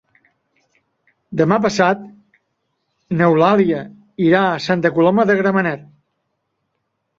Demà passat n'Eulàlia irà a Santa Coloma de Gramenet.